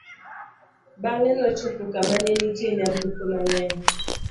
bang'e nochopo kama ne nitie nyamburko mang'eny